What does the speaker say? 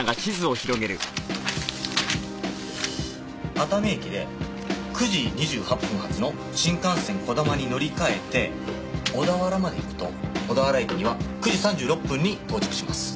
熱海駅で９時２８分発の新幹線こだまに乗り換えて小田原まで行くと小田原駅には９時３６分に到着します。